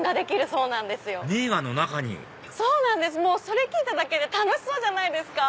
それ聞いただけで楽しそうじゃないですか。